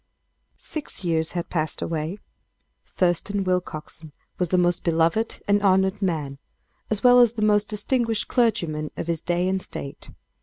Six years had passed away. Thurston Willcoxen was the most beloved and honored man, as well as the most distinguished clergyman of his day and state.